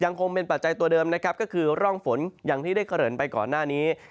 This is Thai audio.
คงเป็นปัจจัยตัวเดิมนะครับก็คือร่องฝนอย่างที่ได้เกริ่นไปก่อนหน้านี้